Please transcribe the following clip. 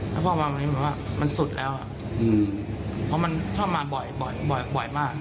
แล้วพ่อมาวันนี้มันสุดแล้วเพราะพ่อมาบ่อยมาก